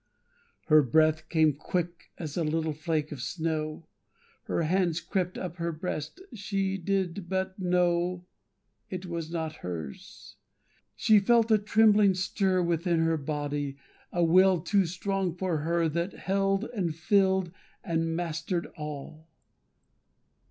Her breath came quick as little flakes of snow. Her hands crept up her breast. She did but know It was not hers. She felt a trembling stir Within her body, a will too strong for her That held and filled and mastered all.